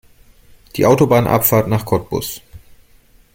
Die Autobahnabfahrt nach Cottbus